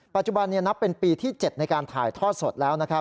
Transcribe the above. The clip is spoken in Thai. ปัจจุบันนี้นับเป็นปีที่๗ในการถ่ายทอดสดแล้ว